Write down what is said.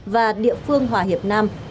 và địa phương hòa hiệp nam